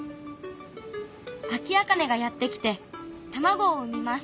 アキアカネがやって来て卵を産みます。